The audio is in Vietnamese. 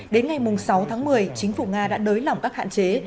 đến ngày sáu tháng một mươi chính phủ nga đã đới lỏng các hạn chế